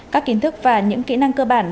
các kiến thức và những kỹ năng cơ bản